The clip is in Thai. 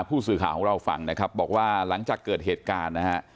ผู้สื่อข่าวของเราฟังนะครับบอกว่าหลังจากเกิดเหตุการณ์นะฮะ